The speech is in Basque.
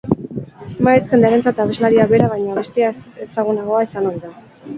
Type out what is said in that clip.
Maiz, jendearentzat abeslaria bera baino abestia ezagunagoa izan ohi da.